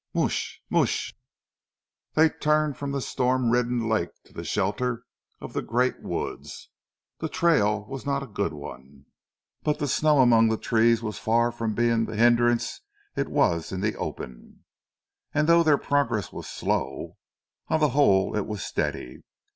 "Moosh! Moosh!" They turned from the storm ridden lake to the shelter of the great woods. The trail was not a good one; but the snow among the trees was far from being the hindrance it was in the open; and though their progress was slow, on the whole it was steady.